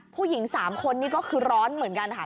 ผู้หญิง๓คนนี่ก็คือร้อนเหมือนกันค่ะ